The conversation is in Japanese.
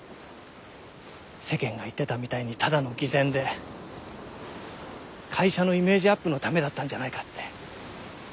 世間が言ってたみたいにただの偽善で会社のイメージアップのためだったんじゃないかって。